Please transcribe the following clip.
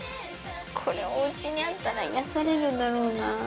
これお家にあったら癒やされるんだろうなぁ。